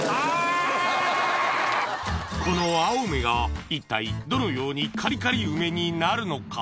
この青梅が一体どのようにカリカリ梅になるのか？